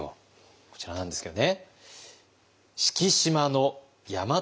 こちらなんですけどね。